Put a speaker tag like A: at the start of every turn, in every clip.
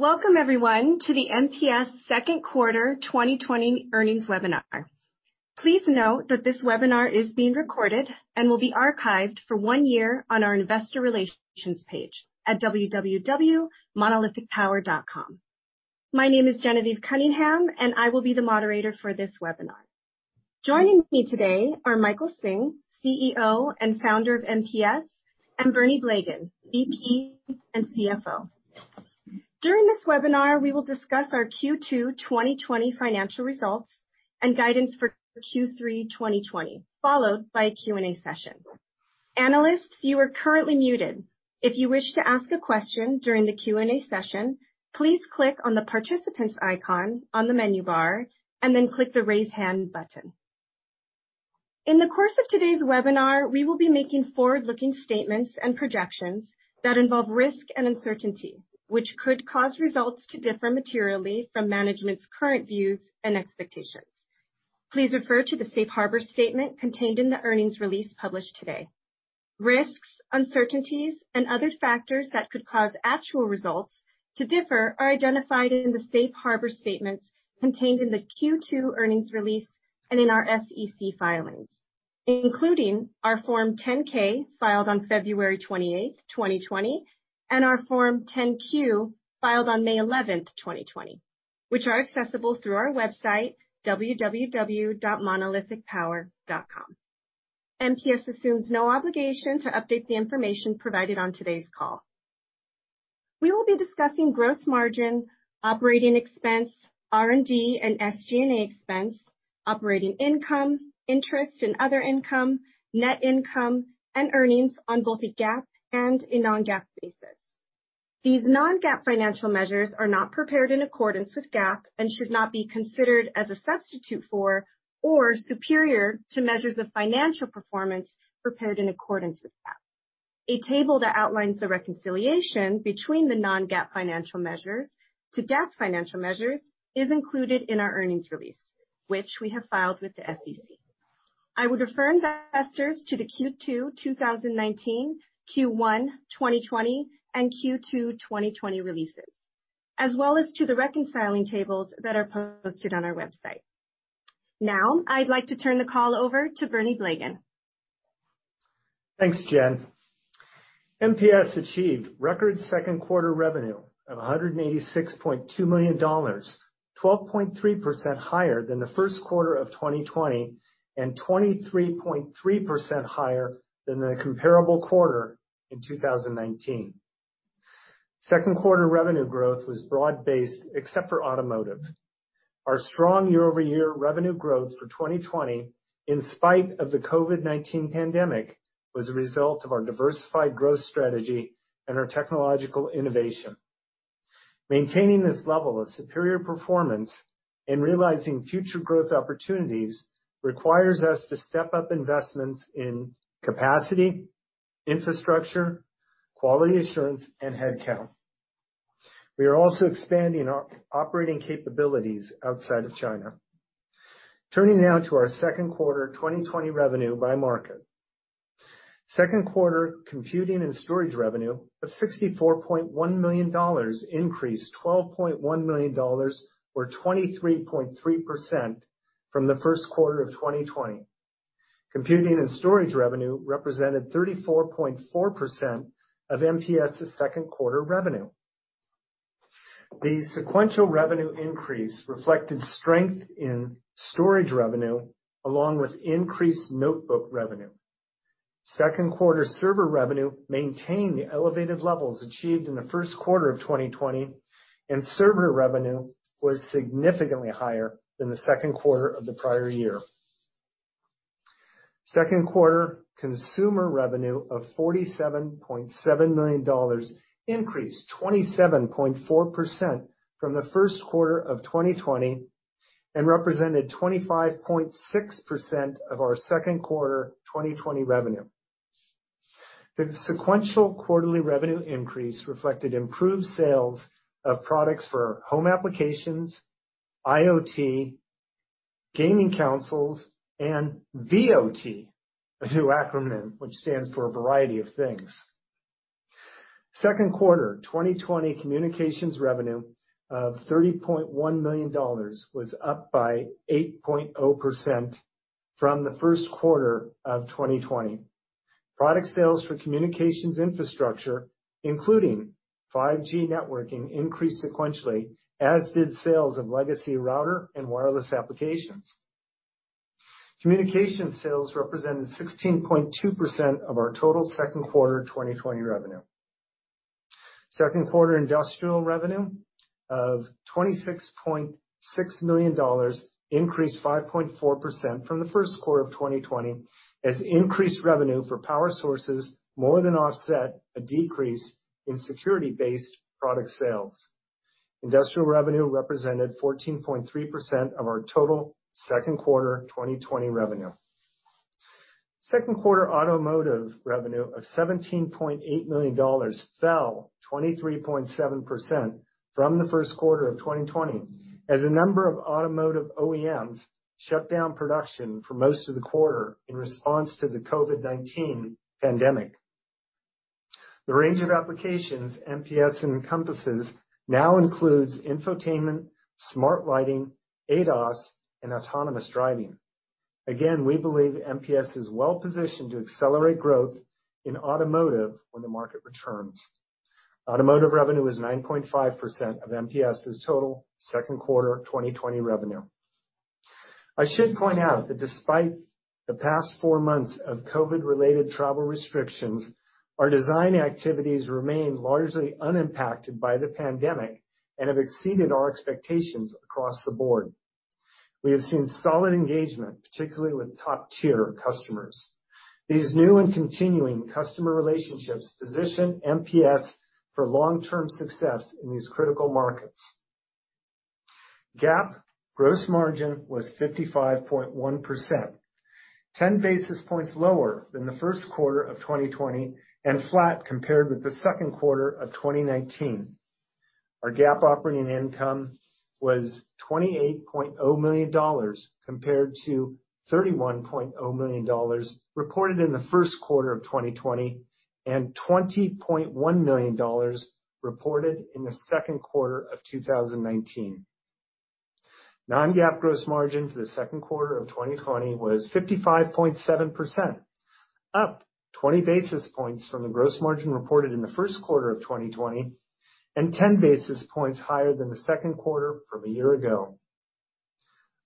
A: Welcome, everyone, to the MPS second quarter 2020 earnings webinar. Please note that this webinar is being recorded and will be archived for one year on our investor relations page at www.monolithicpower.com. My name is Genevieve Cunningham, and I will be the moderator for this webinar. Joining me today are Michael Hsing, CEO and Founder of MPS, and Bernie Blegen, VP and CFO. During this webinar, we will discuss our Q2 2020 financial results and guidance for Q3 2020, followed by a Q&A session. Analysts, you are currently muted. If you wish to ask a question during the Q&A session, please click on the Participants Icon on the menu bar, and then click the Raise Hand button. In the course of today's webinar, we will be making forward-looking statements and projections that involve risk and uncertainty, which could cause results to differ materially from management's current views and expectations. Please refer to the safe harbor statement contained in the earnings release published today. Risks, uncertainties, and other factors that could cause actual results to differ are identified in the safe harbor statements contained in the Q2 earnings release and in our SEC filings, including our Form 10-K filed on February 28, 2020, and our Form 10-Q filed on May 11, 2020, which are accessible through our website, www.monolithicpower.com. MPS assumes no obligation to update the information provided on today's call. We will be discussing gross margin, operating expense, R&D, and SG&A expense, operating income, interest and other income, net income, and earnings on both a GAAP and a non-GAAP basis. These non-GAAP financial measures are not prepared in accordance with GAAP and should not be considered as a substitute for or superior to measures of financial performance prepared in accordance with GAAP. A table that outlines the reconciliation between the non-GAAP financial measures to GAAP financial measures is included in our earnings release, which we have filed with the SEC. I would refer investors to the Q2 2019, Q1 2020, and Q2 2020 releases, as well as to the reconciling tables that are posted on our website. Now, I'd like to turn the call over to Bernie Blegen.
B: Thanks, Gen. MPS achieved record second quarter revenue of $186.2 million, 12.3% higher than the first quarter of 2020, and 23.3% higher than the comparable quarter in 2019. Second quarter revenue growth was broad-based, except for Automotive. Our strong year-over-year revenue growth for 2020 in spite of the COVID-19 pandemic, was a result of our diversified growth strategy and our technological innovation. Maintaining this level of superior performance and realizing future growth opportunities requires us to step up investments in capacity, infrastructure, quality assurance, and headcount. We are also expanding our operating capabilities outside of China. Turning now to our second quarter 2020 revenue by market. Second quarter Computing and Storage revenue of $64.1 million increased $12.1 million, or 23.3%, from the first quarter of 2020. Computing and Storage revenue represented 34.4% of MPS' second quarter revenue. The sequential revenue increase reflected strength in Storage revenue along with increased notebook revenue. Second quarter Server revenue maintained the elevated levels achieved in the first quarter of 2020, and Server revenue was significantly higher than the second quarter of the prior year. Second quarter Consumer revenue of $47.7 million increased 27.4% from the first quarter of 2020 and represented 25.6% of our second quarter 2020 revenue. The sequential quarterly revenue increase reflected improved sales of products for home applications, IoT, gaming consoles, and VOT, a new acronym which stands for a variety of things. Second quarter 2020 Communications revenue of $30.1 million was up by 8.0% from the first quarter of 2020. Product sales for Communications Infrastructure, including 5G networking, increased sequentially, as did sales of legacy router and wireless applications. Communication sales represented 16.2% of our total second quarter 2020 revenue. Second quarter industrial revenue of $26.6 million increased 5.4% from the first quarter of 2020, as increased revenue for power sources more than offset a decrease in security-based product sales. Industrial revenue represented 14.3% of our total second quarter 2020 revenue. Second quarter Automotive revenue of $17.8 million fell 23.7% from the first quarter of 2020, as a number of automotive OEMs shut down production for most of the quarter in response to the COVID-19 pandemic. The range of applications MPS encompasses now includes infotainment, smart lighting, ADAS, and autonomous driving. Again, we believe MPS is well-positioned to accelerate growth in Automotive when the market returns. Automotive revenue is 9.5% of MPS's total second quarter 2020 revenue. I should point out that despite the past four months of COVID-related travel restrictions, our design activities remain largely unimpacted by the pandemic and have exceeded our expectations across the board. We have seen solid engagement, particularly with top-tier customers. These new and continuing customer relationships position MPS for long-term success in these critical markets. GAAP gross margin was 55.1%, 10 basis points lower than the first quarter of 2020, and flat compared with the second quarter of 2019. Our GAAP operating income was $28.0 million compared to $31.0 million reported in the first quarter of 2020, and $20.1 million reported in the second quarter of 2019. Non-GAAP gross margin for the second quarter of 2020 was 55.7%, up 20 basis points from the gross margin reported in the first quarter of 2020, and 10 basis points higher than the second quarter from a year ago.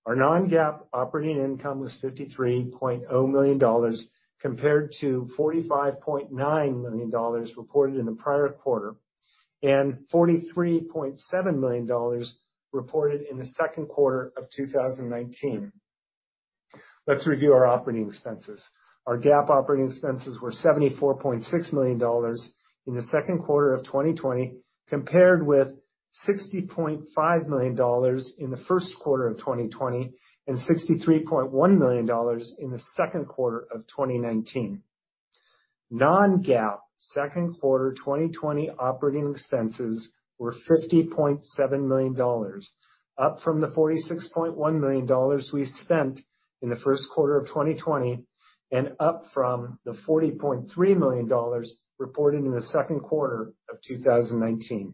B: Our non-GAAP operating income was $53.0 million, compared to $45.9 million reported in the prior quarter, and $43.7 million reported in the second quarter of 2019. Let's review our operating expenses. Our GAAP operating expenses were $74.6 million in the second quarter of 2020, compared with $60.5 million in the first quarter of 2020, and $63.1 million in the second quarter of 2019. Non-GAAP second quarter 2020 operating expenses were $50.7 million, up from the $46.1 million we spent in the first quarter of 2020, and up from the $40.3 million reported in the second quarter of 2019.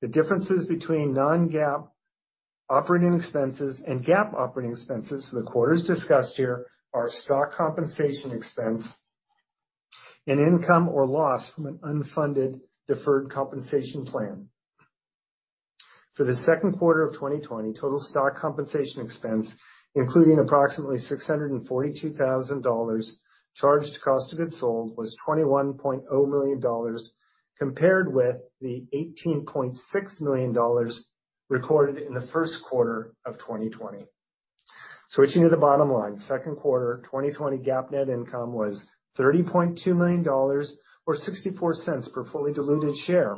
B: The differences between non-GAAP operating expenses and GAAP operating expenses for the quarters discussed here are stock compensation expense and income or loss from an unfunded deferred compensation plan. For the second quarter of 2020, total stock compensation expense, including approximately $642,000 charged cost of goods sold, was $21.0 million, compared with the $18.6 million recorded in the first quarter of 2020. Switching to the bottom line, second quarter 2020 GAAP net income was $30.2 million, or $0.64 per fully diluted share,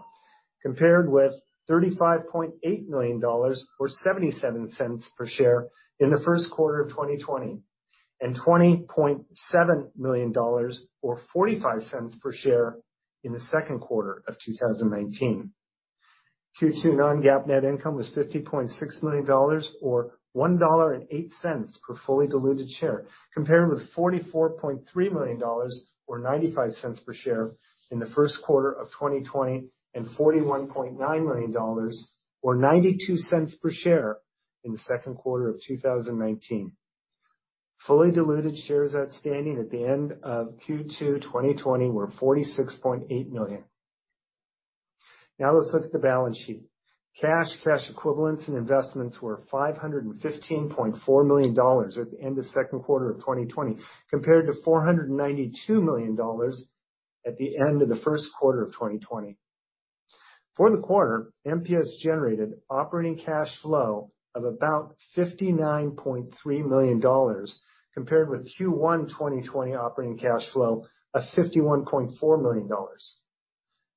B: compared with $35.8 million or $0.77 per share in the first quarter of 2020, and $20.7 million or $0.45 per share in the second quarter of 2019. Q2 non-GAAP net income was $50.6 million, or $1.08 per fully diluted share, compared with $44.3 million or $0.95 per share in the first quarter of 2020, and $41.9 million or $0.92 per share in the second quarter of 2019. Fully diluted shares outstanding at the end of Q2 2020 were 46.8 million. Now let's look at the balance sheet. Cash, cash equivalents, and investments were $515.4 million at the end of the second quarter of 2020, compared to $492 million at the end of the first quarter of 2020. For the quarter, MPS generated operating cash flow of about $59.3 million, compared with Q1 2020 operating cash flow of $51.4 million.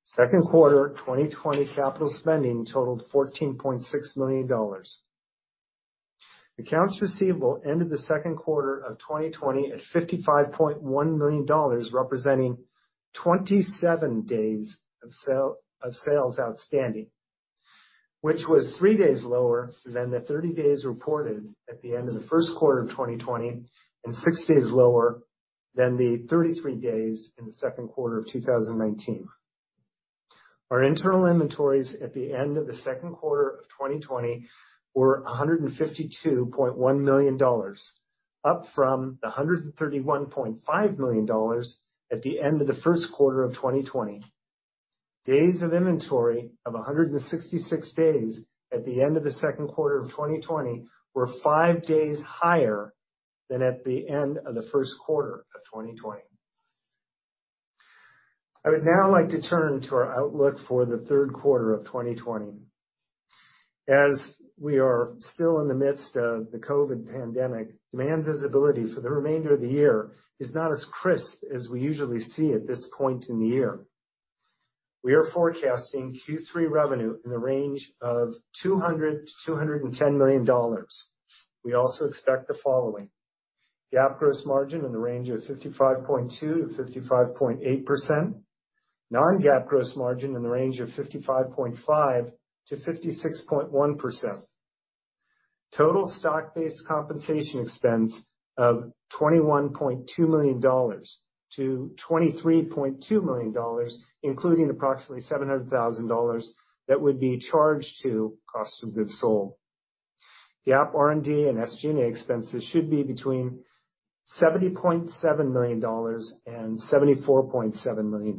B: Second quarter 2020 capital spending totaled $14.6 million. Accounts receivable ended the second quarter of 2020 at $55.1 million, representing 27 days of sales outstanding, which was three days lower than the 30 days reported at the end of the first quarter of 2020, and six days lower than the 33 days in the second quarter of 2019. Our internal inventories at the end of the second quarter of 2020 were $152.1 million, up from the $131.5 million at the end of the first quarter of 2020. Days of inventory of 166 days at the end of the second quarter of 2020 were five days higher than at the end of the first quarter of 2020. I would now like to turn to our outlook for the third quarter of 2020. As we are still in the midst of the COVID pandemic, demand visibility for the remainder of the year is not as crisp as we usually see at this point in the year. We are forecasting Q3 revenue in the range of $200 million-$210 million. We also expect the following: GAAP gross margin in the range of 55.2%-55.8%, non-GAAP gross margin in the range of 55.5%-56.1%. Total stock-based compensation expense of $21.2 million-$23.2 million, including approximately $700,000 that would be charged to cost of goods sold. GAAP R&D and SG&A expenses should be between $70.7 million and $74.7 million.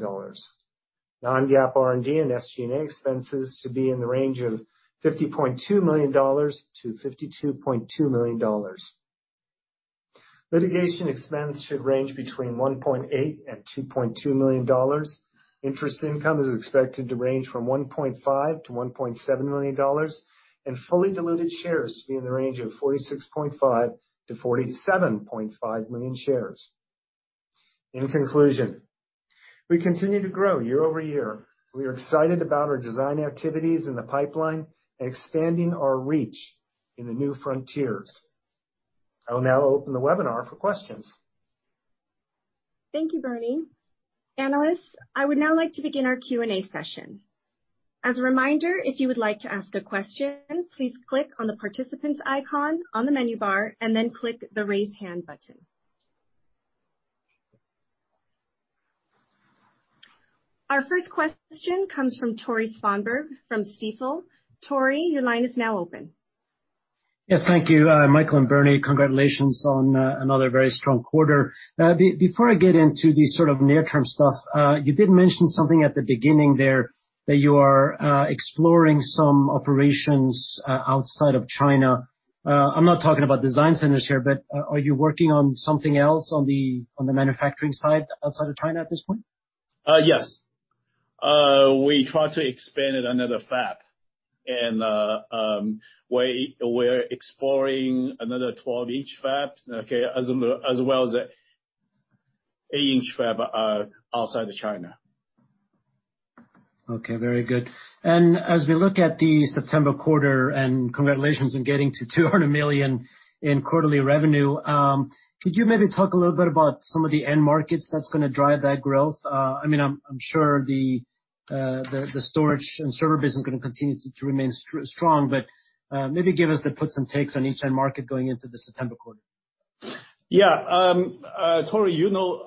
B: Non-GAAP R&D and SG&A expenses to be in the range of $50.2 million-$52.2 million. Litigation expense should range between $1.8 million and $2.2 million. Interest income is expected to range from $1.5 million-$1.7 million, and fully diluted shares to be in the range of 46.5 million-47.5 million shares. In conclusion, we continue to grow year-over-year. We are excited about our design activities in the pipeline and expanding our reach in the new frontiers. I will now open the webinar for questions.
A: Thank you, Bernie. Analysts, I would now like to begin our Q&A session. As a reminder, if you would like to ask a question, please click on the participants icon on the menu bar and then click the raise hand button. Our first question comes from Tore Svanberg from Stifel. Tore, your line is now open.
C: Yes. Thank you, Michael and Bernie. Congratulations on another very strong quarter. Before I get into the sort of near-term stuff, you did mention something at the beginning there that you are exploring some operations outside of China. I'm not talking about design centers here, but are you working on something else on the manufacturing side outside of China at this point?
D: Yes. We try to expand at another fab, and we're exploring another 12 in fab, okay, as well as an eight-inch fab outside of China.
C: Okay, very good. As we look at the September quarter, congratulations on getting to $200 million in quarterly revenue. Could you maybe talk a little bit about some of the end markets that's going to drive that growth? I'm sure the storage and server business is going to continue to remain strong, maybe give us the puts and takes on each end market going into the September quarter.
D: Yeah. Tore, you know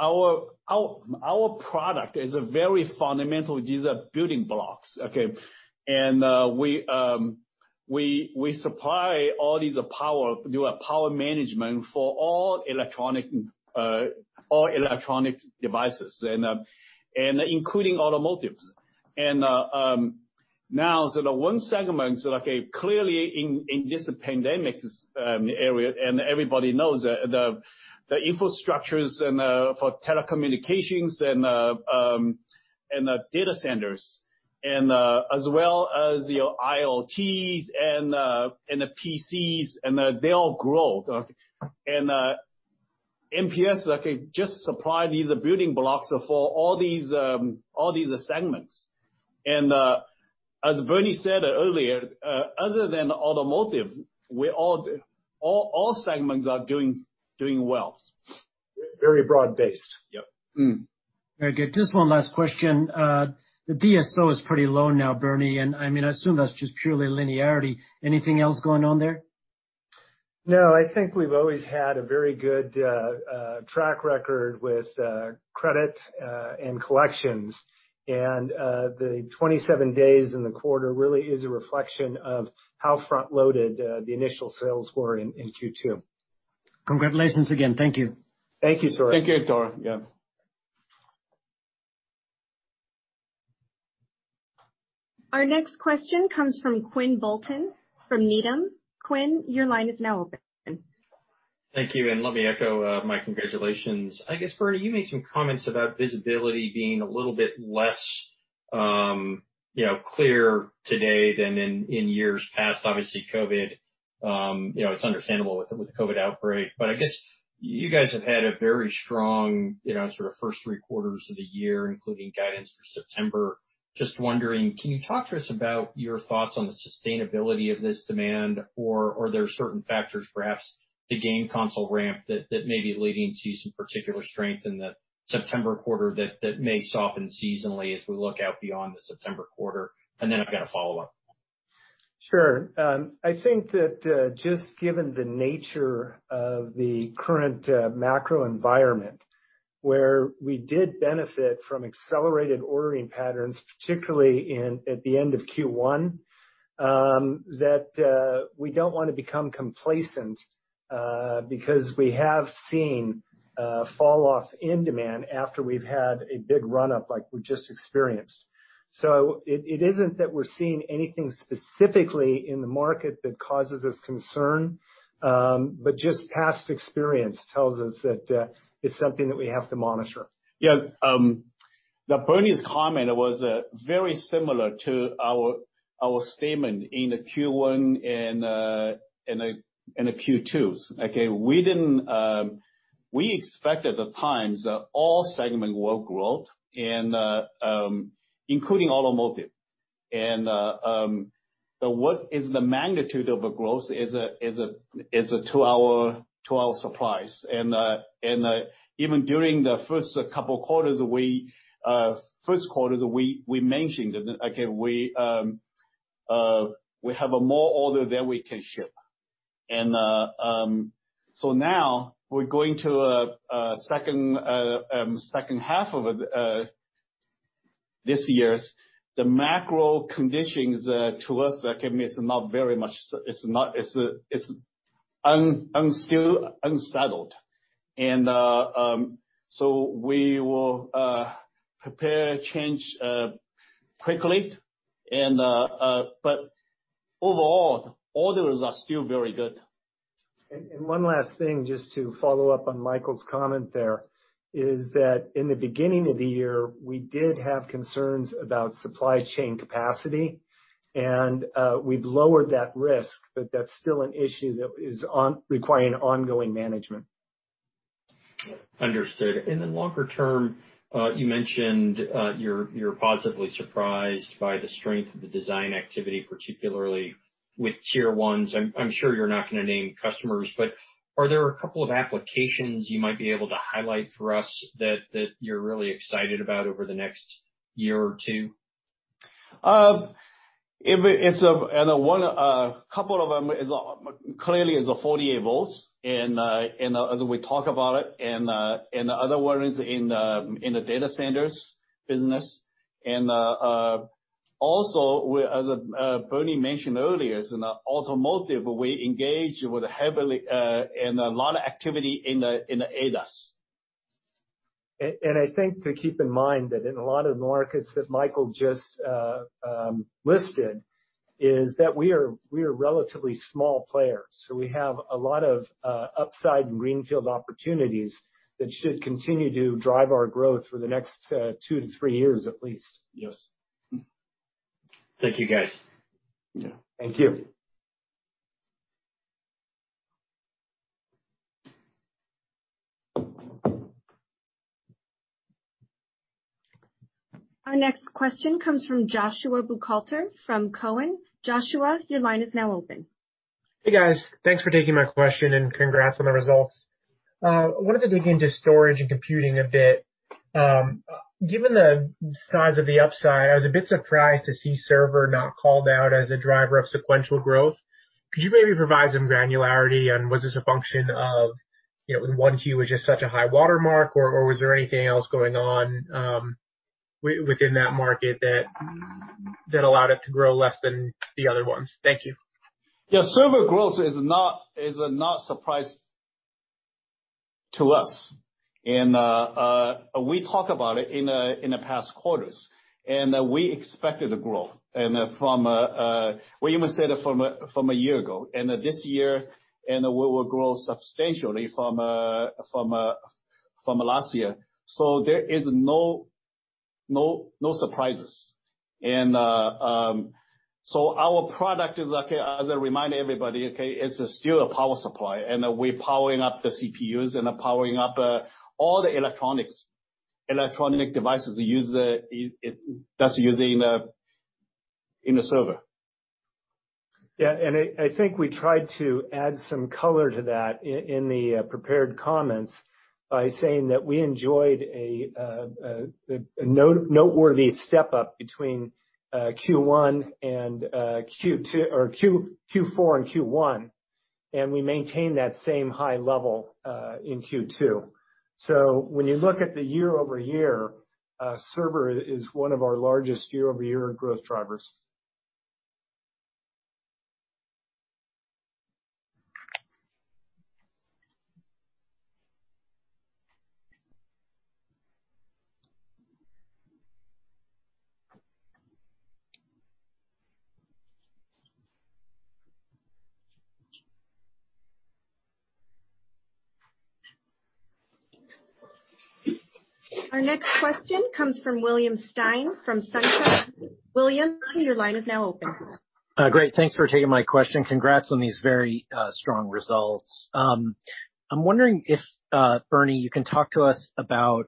D: our product is a very fundamental. These are building blocks, okay? We supply all these power management for all electronic devices, including automotives. Now, one segment, clearly in this pandemic era, everybody knows the infrastructures for telecommunications and data centers as well as your IoTs and the PCs, they all grow. MPS just supply these building blocks for all these segments. As Bernie said earlier, other than Automotive, all segments are doing well.
B: Very broad-based.
C: Very good. Just one last question. The DSO is pretty low now, Bernie, and I assume that's just purely linearity. Anything else going on there?
B: No, I think we've always had a very good track record with credit and collections, and the 27 days in the quarter really is a reflection of how front-loaded the initial sales were in Q2.
C: Congratulations again. Thank you.
B: Thank you, Tore.
D: Thank you, Tore. Yeah.
A: Our next question comes from Quinn Bolton from Needham. Quinn, your line is now open.
E: Thank you. Let me echo my congratulations. I guess, Bernie, you made some comments about visibility being a little bit less clear today than in years past. Obviously, COVID, it's understandable with the COVID outbreak. I guess you guys have had a very strong sort of first three quarters of the year, including guidance for September. Just wondering, can you talk to us about your thoughts on the sustainability of this demand? Are there certain factors, perhaps the game console ramp, that may be leading to some particular strength in the September quarter that may soften seasonally as we look out beyond the September quarter? I've got a follow-up.
B: Sure. I think that just given the nature of the current macro environment, where we did benefit from accelerated ordering patterns, particularly at the end of Q1, that we don't want to become complacent because we have seen falloffs in demand after we've had a big run-up like we just experienced. It isn't that we're seeing anything specifically in the market that causes us concern, but just past experience tells us that it's something that we have to monitor.
D: Yeah. Bernie's comment was very similar to our statement in the Q1 and the Q2s. Okay. We expected the times that all segment will growth, including Automotive. What is the magnitude of a growth is to our surprise. Even during the first couple of quarters, we mentioned it. Okay. We have a more order than we can ship. So now we're going to second half of this year, the macro conditions to us, it's unsettled. So we will prepare change quickly. Overall, orders are still very good.
B: One last thing, just to follow up on Michael's comment there, is that in the beginning of the year, we did have concerns about supply chain capacity and we've lowered that risk, but that's still an issue that is requiring ongoing management.
E: Understood. In the longer-term, you mentioned, you're positively surprised by the strength of the design activity, particularly with Tier 1s. I'm sure you're not going to name customers, but are there a couple of applications you might be able to highlight for us that you're really excited about over the next year or two?
D: A couple of them clearly is the 48 V and, as we talk about it, and the other one is in the data centers business. Also as Bernie mentioned earlier, is in the automotive, we engage with heavily, and a lot of activity in the ADAS.
B: I think to keep in mind that in a lot of markets that Michael just listed is that we are a relatively small player, so we have a lot of upside and greenfield opportunities that should continue to drive our growth for the next two to three years at least.
D: Yes.
E: Thank you, guys.
D: Yeah.
B: Thank you.
A: Our next question comes from Joshua Buchalter from Cowen. Joshua, your line is now open.
F: Hey, guys. Thanks for taking my question and congrats on the results. I wanted to dig into Storage and Computing a bit. Given the size of the upside, I was a bit surprised to see Server not called out as a driver of sequential growth. Could you maybe provide some granularity on was this a function of 1Q was just such a high watermark or was there anything else going on, within that market that allowed it to grow less than the other ones? Thank you.
D: Yeah. Server growth is not surprise to us. We talk about it in the past quarters. We expected a growth from a year ago. This year, we will grow substantially from last year. There is no surprises. Our product is okay. As a reminder to everybody, okay, it's still a power supply, and we're powering up the CPUs and powering up all the electronic devices that's used in a server.
B: Yeah. I think we tried to add some color to that in the prepared comments by saying that we enjoyed a noteworthy step up between Q4 and Q1, and we maintained that same high-level in Q2. When you look at the year-over-year, Server is one of our largest year-over-year growth drivers.
A: Our next question comes from William Stein from SunTrust. William, your line is now open.
G: Great. Thanks for taking my question. Congrats on these very strong results. I'm wondering if, Bernie, you can talk to us about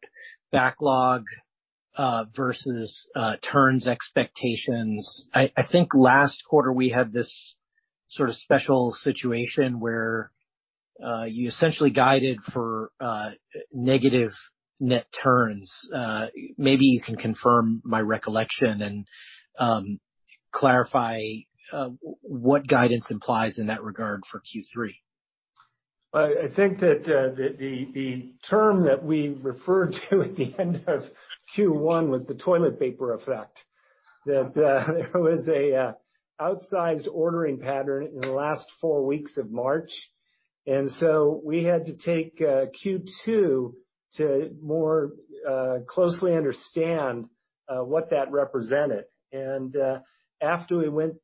G: backlog, versus turns expectations. I think last quarter, we had this sort of special situation where you essentially guided for negative net turns. Maybe you can confirm my recollection and clarify, what guidance implies in that regard for Q3.
B: I think that, the term that we referred to at the end of Q1 was the toilet paper effect, that there was a outsized ordering pattern in the last four weeks of March. We had to take Q2 to more closely understand what that represented. After we went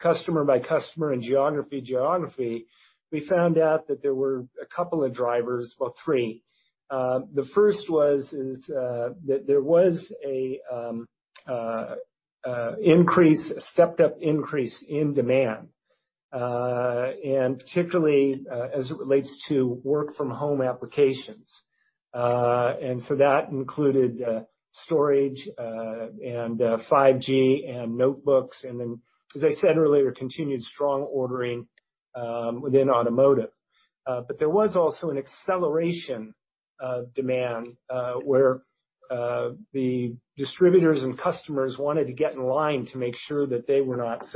B: customer by customer and geography, we found out that there were a couple of drivers. Well, three. The first was, is that there was a stepped up increase in demand, and particularly, as it relates to work from home applications. That included storage, and 5G, and notebooks, and then, as I said earlier, continued strong ordering within Automotive. There was also an acceleration of demand, where the distributors and customers wanted to get in line to make sure that they were not.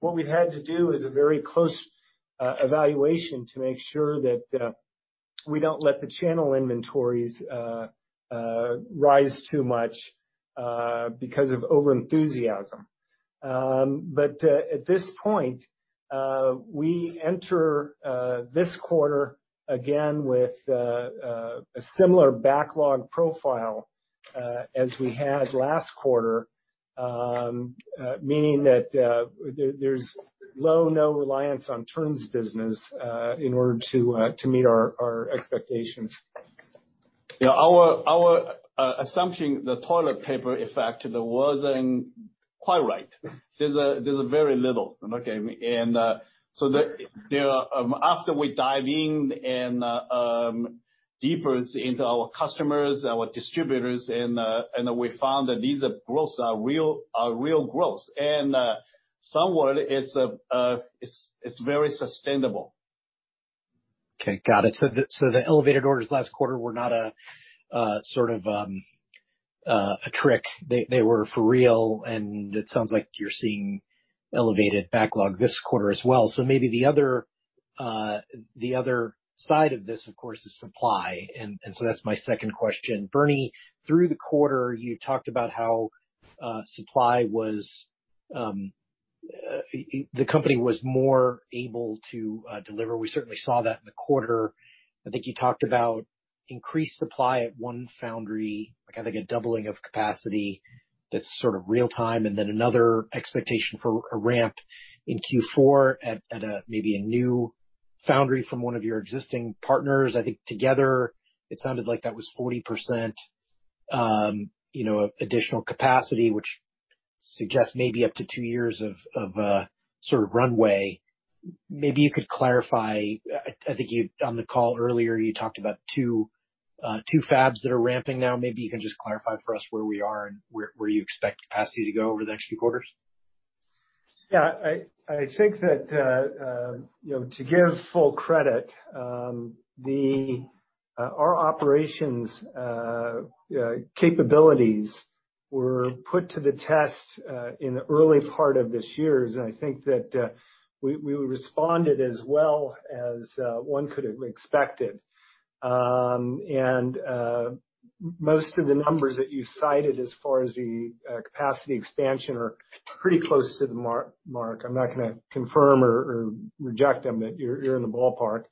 B: What we had to do is a very close evaluation to make sure that we don't let the channel inventories rise too much because of over-enthusiasm. At this point, we enter this quarter again with a similar backlog profile as we had last quarter, meaning that there's no reliance on turns business in order to meet our expectations.
D: Yeah. Our assumption, the toilet paper effect, wasn't quite right. There's a very little. After we dive in deeper into our customers, our distributors, and we found that these are real growth. Somewhat, it's very sustainable.
G: Okay, got it. The elevated orders last quarter were not a sort of a trick. They were for real, and it sounds like you're seeing elevated backlog this quarter as well. Maybe the other side of this, of course, is supply. That's my second question. Bernie, through the quarter, you talked about how the company was more able to deliver. We certainly saw that in the quarter. I think you talked about increased supply at one foundry, like, I think a doubling of capacity that's sort of real time, and then another expectation for a ramp in Q4 at maybe a new foundry from one of your existing partners. Together, it sounded like that was 40% additional capacity, which suggests maybe up to two years of a sort of runway. Maybe you could clarify. I think on the call earlier, you talked about two fabs that are ramping now. Maybe you can just clarify for us where we are and where you expect capacity to go over the next few quarters.
B: Yeah. I think that to give full credit, our operations capabilities were put to the test in the early part of this year. I think that we responded as well as one could have expected. Most of the numbers that you cited as far as the capacity expansion are pretty close to the mark. I'm not going to confirm or reject them, but you're in the ballpark.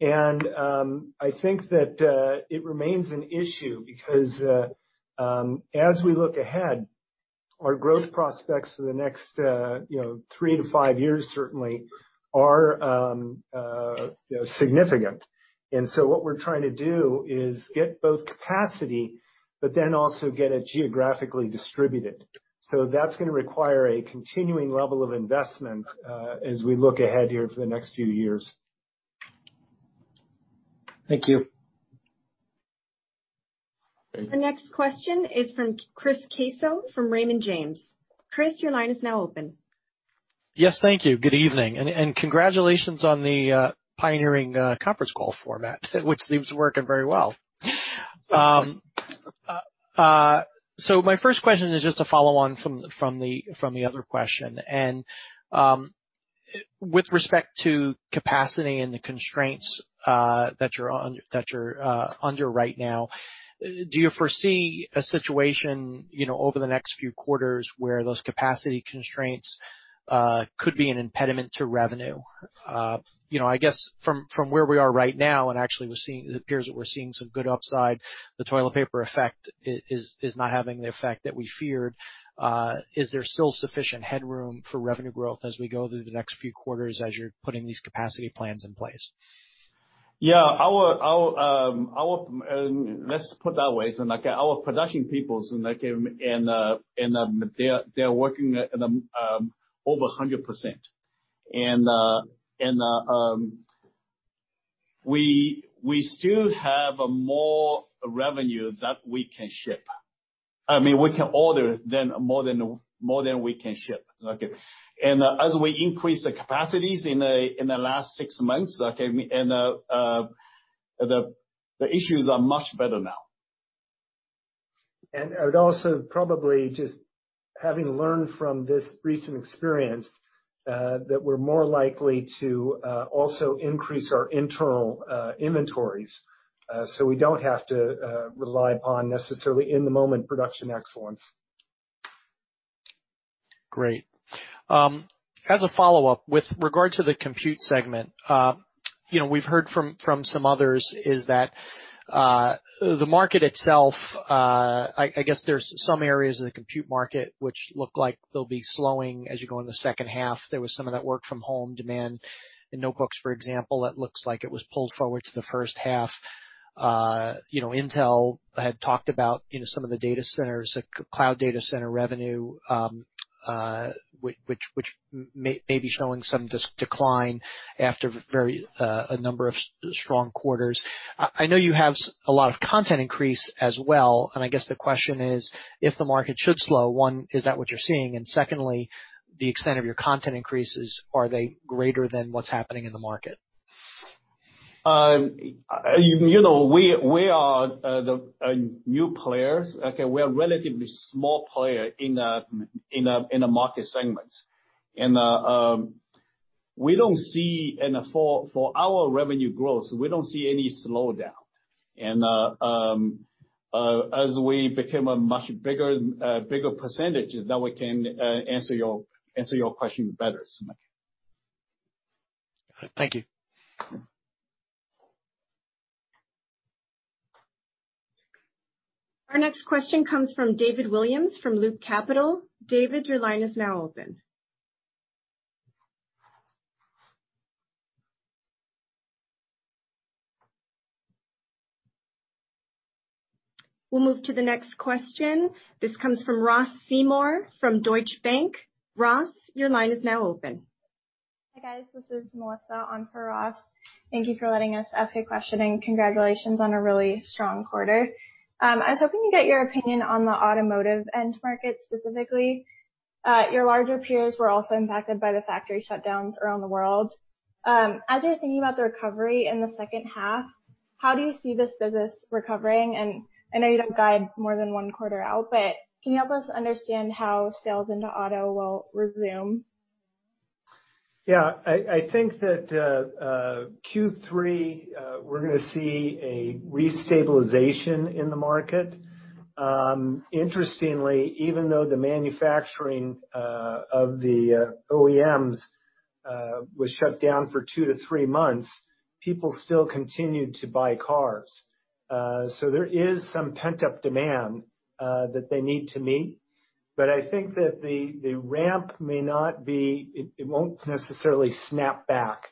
B: I think that it remains an issue because as we look ahead, our growth prospects for the next three to five years certainly are significant. What we're trying to do is get both capacity, but then also get it geographically distributed. That's going to require a continuing level of investment as we look ahead here for the next few years.
G: Thank you.
A: The next question is from Chris Caso from Raymond James. Chris, your line is now open.
H: Yes. Thank you. Good evening. Congratulations on the pioneering conference call format, which seems to be working very well. My first question is just a follow-on from the other question. With respect to capacity and the constraints that you're under right now, do you foresee a situation over the next few quarters where those capacity constraints could be an impediment to revenue? I guess from where we are right now, actually it appears that we're seeing some good upside. The toilet paper effect is not having the effect that we feared. Is there still sufficient headroom for revenue growth as we go through the next few quarters as you're putting these capacity plans in place?
D: Yeah. Let's put that way, our production people, they're working over 100%. We still have more revenue that we can ship. I mean, we can order more than we can ship. Okay. As we increase the capacities in the last six months, the issues are much better now.
B: I'd also probably just having learned from this recent experience, that we're more likely to also increase our internal inventories, so we don't have to rely upon necessarily in-the-moment production excellence.
H: Great. As a follow-up, with regard to the Compute segment, we've heard from some others, is that the market itself, I guess there's some areas of the compute market which look like they'll be slowing as you go in the second half. There was some of that work from home demand in notebooks, for example, that looks like it was pulled forward to the first half. Intel had talked about some of the cloud data center revenue, which may be showing some decline after a number of strong quarters. I know you have a lot of content increase as well, I guess the question is, if the market should slow, one, is that what you're seeing? Secondly, the extent of your content increases, are they greater than what's happening in the market?
D: We are the new players. We are relatively small player in the market segments. For our revenue growth, we don't see any slowdown. As we become a much bigger percentage, then we can answer your question better.
H: Got it. Thank you.
A: Our next question comes from David Williams from Loop Capital. David, your line is now open. We'll move to the next question. This comes from Ross Seymore from Deutsche Bank. Ross, your line is now open.
I: Hi, guys. This is Melissa on for Ross. Thank you for letting us ask a question, and congratulations on a really strong quarter. I was hoping to get your opinion on the Automotive end market, specifically. Your larger peers were also impacted by the factory shutdowns around the world. As you're thinking about the recovery in the second half, how do you see this business recovering? I know you don't guide more than one quarter out, but can you help us understand how sales into auto will resume?
B: I think that Q3, we're going to see a restabilization in the market. Interestingly, even though the manufacturing of the OEMs was shut down for two to three months, people still continued to buy cars. There is some pent-up demand that they need to meet, but I think that the ramp won't necessarily snap back.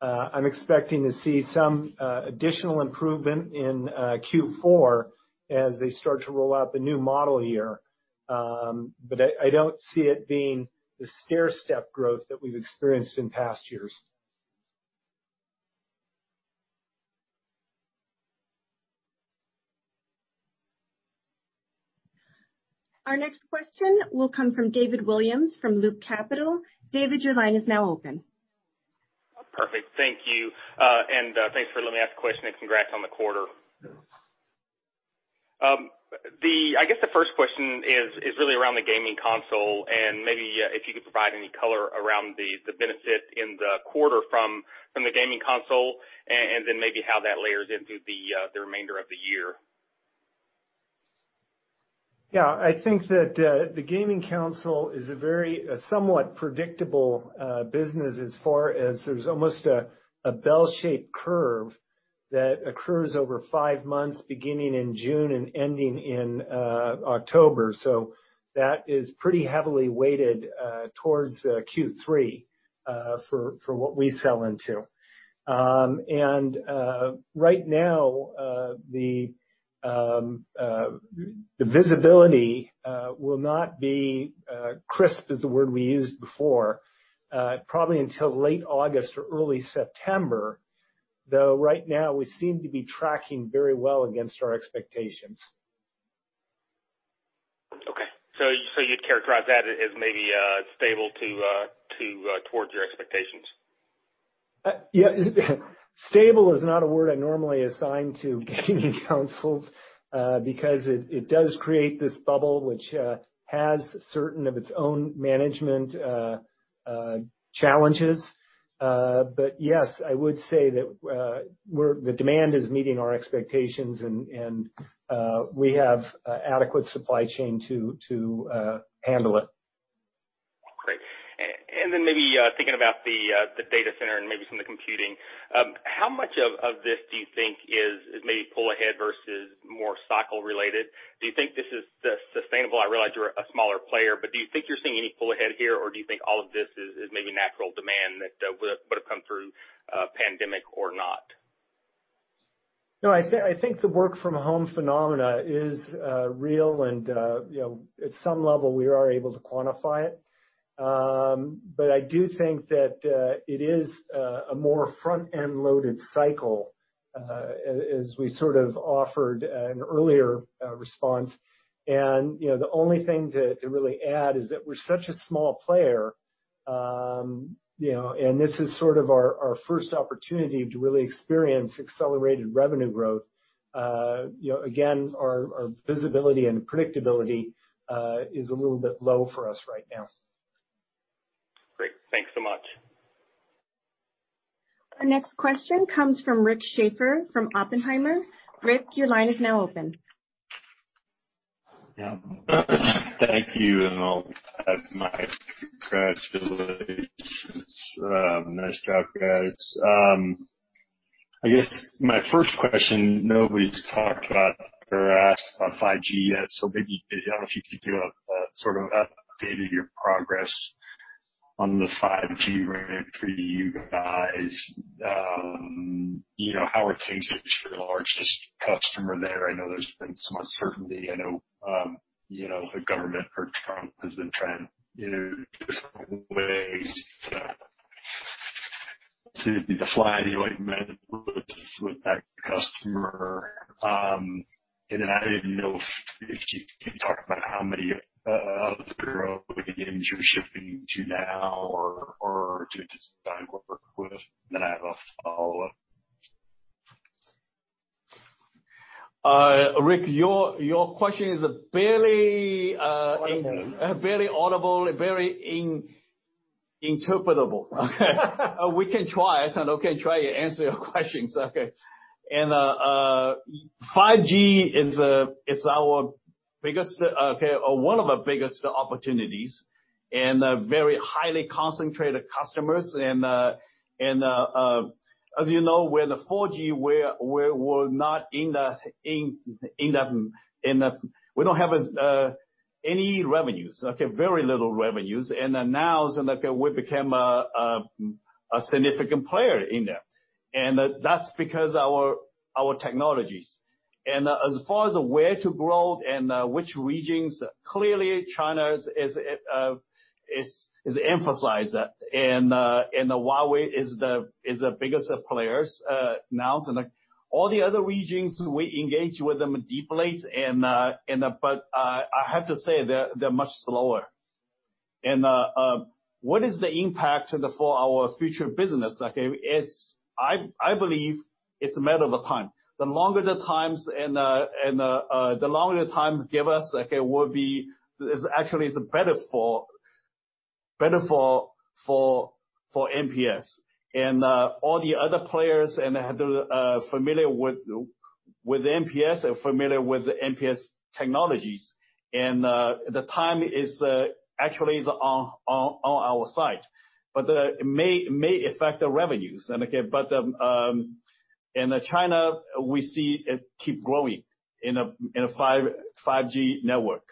B: I'm expecting to see some additional improvement in Q4 as they start to roll out the new model year. I don't see it being the stairstep growth that we've experienced in past years.
A: Our next question will come from David Williams from Loop Capital. David, your line is now open.
J: Perfect. Thank you. Thanks for letting me ask the question, and congrats on the quarter. I guess the first question is really around the gaming console, and maybe if you could provide any color around the benefit in the quarter from the gaming console, and then maybe how that layers into the remainder of the year?
B: I think that the gaming console is a very somewhat predictable business as far as there's almost a bell-shaped curve that occurs over five months, beginning in June and ending in October. That is pretty heavily weighted towards Q3, for what we sell into. Right now, the visibility will not be crisp, is the word we used before, probably until late August or early September, though right now we seem to be tracking very well against our expectations.
J: Okay, you'd characterize that as maybe stable towards your expectations?
B: Yeah. Stable is not a word I normally assign to gaming consoles, because it does create this bubble which has certain of its own management challenges. Yes, I would say that the demand is meeting our expectations, and we have adequate supply chain to handle it.
J: Great. Maybe thinking about the data center and maybe some of the computing, how much of this do you think is maybe pull ahead versus more cycle related? Do you think this is sustainable? I realize you're a smaller player, do you think you're seeing any pull ahead here, or do you think all of this is maybe natural demand that would've come through pandemic or not?
B: No, I think the work from home phenomena is real and at some level we are able to quantify it. I do think that it is a more front-end loaded cycle, as we sort of offered an earlier response. The only thing to really add is that we're such a small player, and this is sort of our first opportunity to really experience accelerated revenue growth. Again, our visibility and predictability is a little bit low for us right now.
J: Great. Thanks so much.
A: Our next question comes from Rick Schafer from Oppenheimer. Rick, your line is now open.
K: Thank you, and I'll add my congratulations. Nice job, guys. I guess my first question, nobody's talked about or asked about 5G yet, so maybe I don't know if you could give a sort of update of your progress on the 5G ramp for you guys. How are things for your largest customer there? I know there's been some uncertainty. I know the government or Trump has been trying different ways to defy any arrangements with that customer. I didn't know if you could talk about how many other OEMs you're shifting to now or doing design work with. I have a follow-up.
D: Rick, your question is barely audible and barely interpretable. We can try. I can try to answer your questions. Okay. 5G is one of our biggest opportunities and very highly concentrated customers. As you know, with the 4G, we don't have any revenues. Very little revenues. Now, we became a significant player in there. That's because our technologies. As far as where to grow and which regions, clearly China is emphasized, Huawei is the biggest players now. All the other regions, we engage with them deeply, but I have to say they're much slower. What is the impact for our future business? I believe it's a matter of time. The longer the time give us, actually is better for MPS. All the other players familiar with MPS are familiar with MPS technologies. The time is actually on our side. May affect the revenues. In China, we see it keep growing in a 5G network.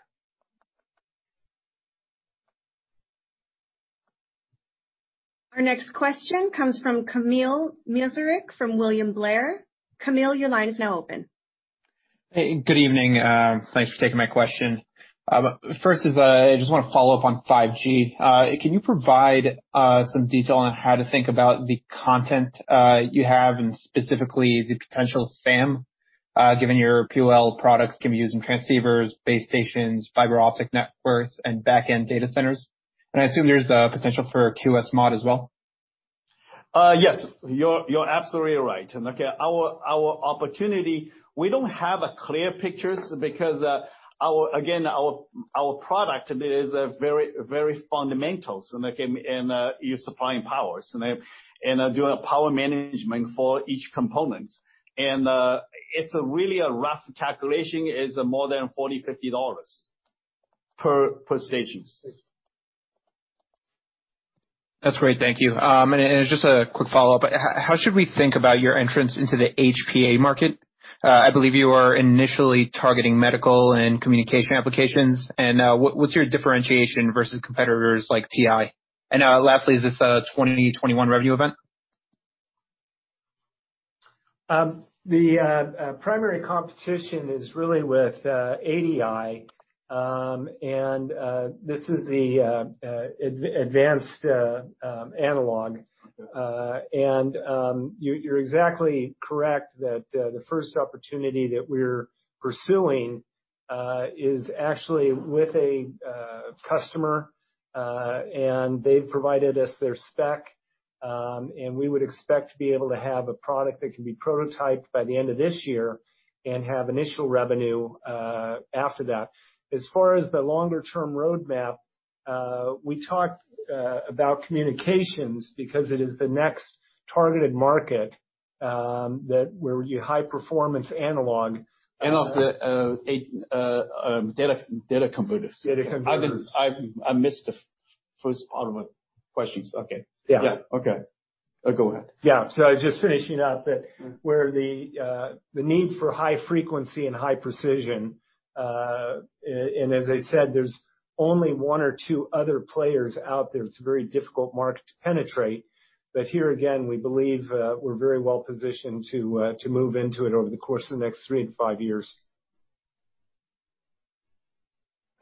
A: Our next question comes from Kamil Mielczarek from William Blair. Kamil, your line is now open.
L: Hey, good evening. Thanks for taking my question. First is, I just want to follow up on 5G. Can you provide some detail on how to think about the content you have, and specifically the potential SAM, given your POL products can be used in transceivers, base stations, fiber optic networks, and back-end data centers? I assume there's a potential for QSMOD as well.
D: Yes. You're absolutely right. Okay, our opportunity, we don't have clear pictures because, again, our product is very fundamental, and you're supplying power, and doing power management for each component. It's really a rough calculation, is more than $40, $50 per station.
L: That's great. Thank you. Just a quick follow-up. How should we think about your entrance into the HPA market? I believe you are initially targeting medical and communication applications. What's your differentiation versus competitors like TI? Lastly, is this a 2021 revenue event?
B: The primary competition is really with ADI, and this is the advanced analog. You're exactly correct that the first opportunity that we're pursuing is actually with a customer, and they've provided us their spec, and we would expect to be able to have a product that can be prototyped by the end of this year and have initial revenue after that. As far as the longer-term roadmap, we talked about communications because it is the next targeted market that where your High Performance Analog-
D: Also data converters.
B: Data converters.
D: I missed the first part of the questions. Okay.
B: Yeah.
D: Yeah. Okay. Go ahead.
B: Yeah. Just finishing up, where the need for high frequency and high precision, and as I said, there's only one or two other players out there. It's a very difficult market to penetrate. Here again, we believe we're very well-positioned to move into it over the course of the next three to five years.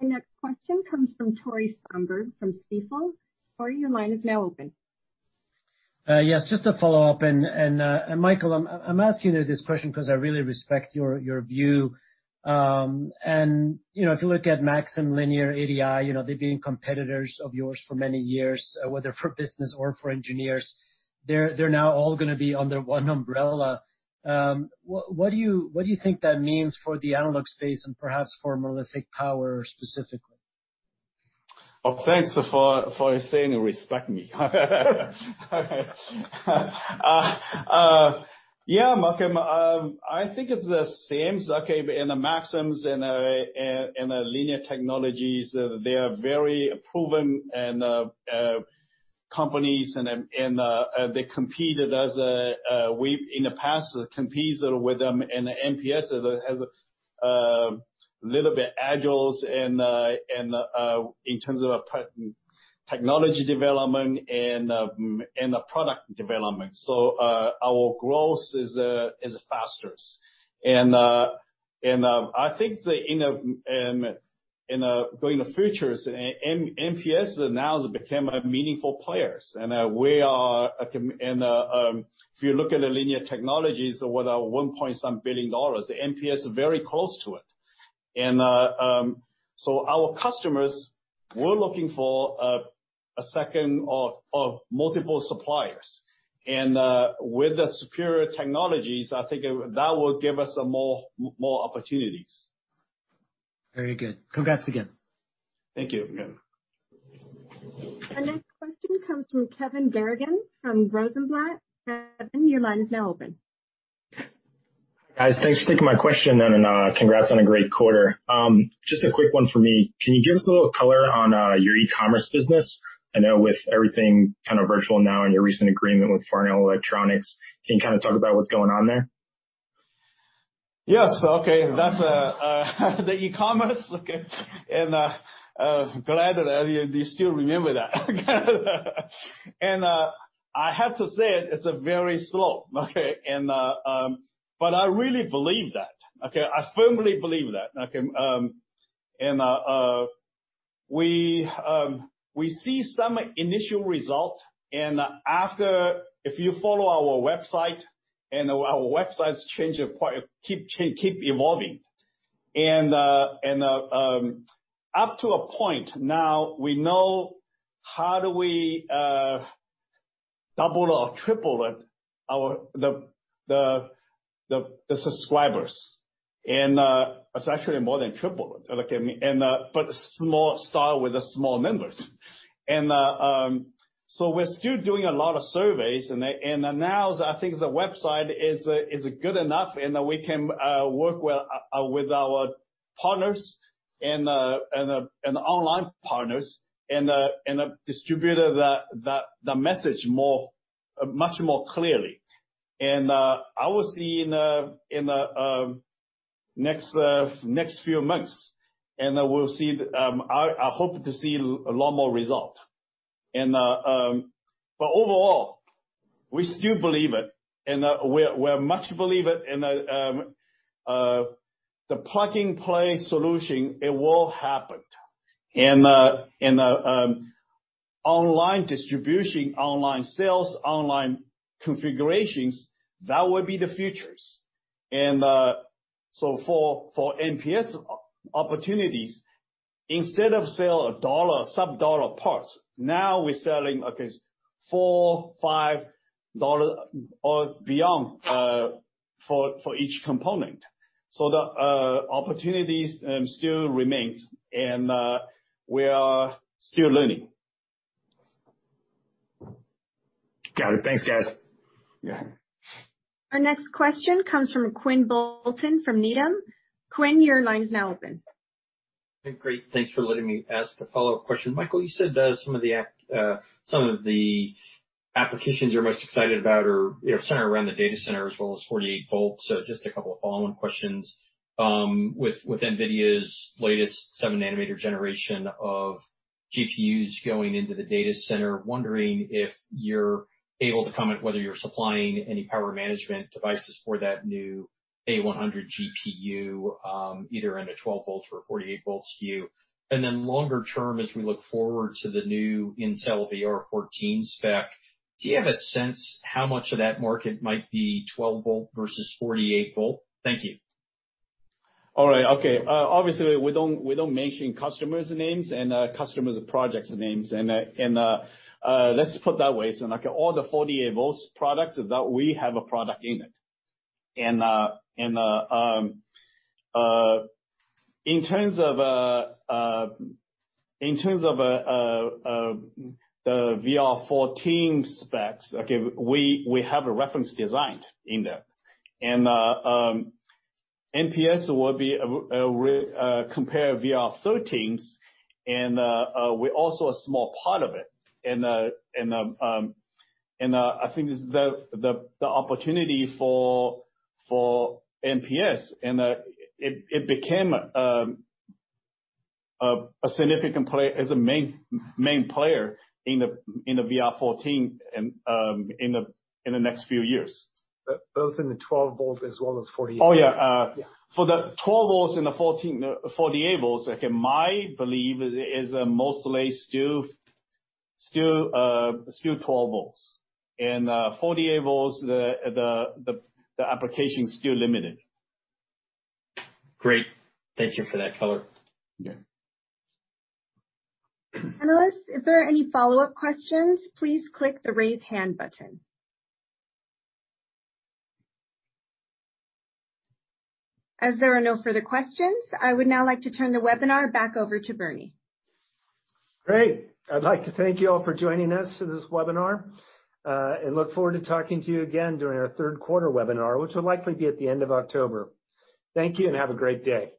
A: Our next question comes from Tore Svanberg from Stifel. Tore, your line is now open.
C: Yes, just to follow up, Michael, I'm asking you this question because I really respect your view. If you look at Maxim, Linear, ADI, they've been competitors of yours for many years, whether for business or for engineers. They're now all going to be under one umbrella. What do you think that means for the analog space and perhaps for Monolithic Power specifically?
D: Oh, thanks for saying you respect me. Maxim, I think it's the same. In Maxim's and Linear Technology, they are very proven companies, and we've in the past competed with them, and MPS has a little bit agile in terms of technology development and product development. Our growth is faster. I think going into the future, MPS now has become a meaningful player. If you look at Linear Technology with their $1 point something billion, MPS is very close to it. Our customers were looking for a second or multiple suppliers. With the superior technologies, I think that will give us more opportunities.
C: Very good. Congrats again.
D: Thank you again.
A: Our next question comes from Kevin Garrigan from Rosenblatt. Kevin, your line is now open.
M: Guys, thanks for taking my question. Congrats on a great quarter. Just a quick one for me. Can you give us a little color on your e-commerce business? I know with everything kind of virtual now and your recent agreement with Farnell Electronics, can you kind of talk about what's going on there?
D: Yes. Okay. That's the e-commerce. Okay. Glad that you still remember that. I have to say it's very slow, okay? I really believe that. Okay. I firmly believe that. Okay. We see some initial result, and if you follow our website, and our website keep evolving. Up to a point now, we know how do we double or triple the subscribers. It's actually more than triple. Small start with the small members. We're still doing a lot of surveys, and now I think the website is good enough and we can work with our partners and online partners and distribute the message much more clearly. I will see in the next few months, and I hope to see a lot more result. Overall, we still believe it, and we much believe it, and the plug-and-play solution, it will happen. Online distribution, online sales, online configurations, that will be the futures. For MPS opportunities, instead of sell a dollar, sub dollar parts, now we're selling $4, $5 or beyond, for each component. The opportunities still remain, and we are still learning.
M: Got it. Thanks, guys.
D: Yeah.
A: Our next question comes from Quinn Bolton from Needham. Quinn, your line is now open.
E: Hey, great. Thanks for letting me ask a follow-up question. Michael, you said some of the applications you're most excited about are centered around the data center as well as 48 V. Just a couple of follow-on questions. With NVIDIA's latest 7 nm generation of GPUs going into the data center, wondering if you're able to comment whether you're supplying any power management devices for that new A100 GPU, either in a 12 V or a 48 V SKU. Longer-term, as we look forward to the new Intel VR14 spec, do you have a sense how much of that market might be 12 V versus 48 V? Thank you.
D: All right. Okay. Obviously, we don't mention customers' names and customers' projects names. Let's put that way, all the 48 V products, that we have a product in it. In terms of the VR14 specs, okay, we have a reference design in there. MPS will be compared VR13s and, we're also a small part of it. I think the opportunity for MPS, and it became a significant player, is a main player in the VR14 in the next few years.
B: Both in the 12 V as well as 48 V.
D: Yeah, for the 12 V and the 48 V, my belief is mostly still 12 V. 48 V, the application is still limited.
E: Great. Thank you for that color.
A: Analysts, if there are any follow-up questions, please click the Raise Hand button. As there are no further questions, I would now like to turn the webinar back over to Bernie.
B: Great. I'd like to thank you all for joining us for this webinar, and look forward to talking to you again during our third quarter webinar, which will likely be at the end of October. Thank you, and have a great day.